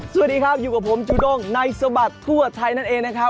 สวัสดีครับอยู่กับผมจูด้งในสบัดทั่วไทยนั่นเองนะครับ